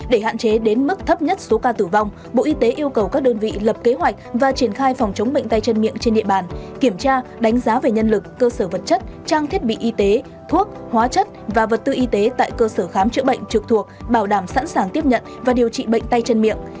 để hạn chế đến mức thấp nhất số ca tử vong bộ y tế yêu cầu các đơn vị lập kế hoạch và triển khai phòng chống bệnh tay chân miệng trên địa bàn kiểm tra đánh giá về nhân lực cơ sở vật chất trang thiết bị y tế thuốc hóa chất và vật tư y tế tại cơ sở khám chữa bệnh trực thuộc bảo đảm sẵn sàng tiếp nhận và điều trị bệnh tay chân miệng